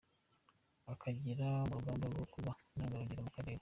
Akagera mu rugamba rwo kuba intangarugero mu Karere